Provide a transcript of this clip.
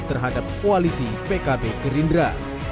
terhadap koalisi pkb gerindra